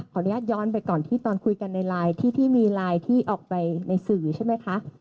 อนุญาตย้อนไปก่อนที่ตอนคุยกันในไลน์ที่มีไลน์ที่ออกไปในสื่อใช่ไหมคะ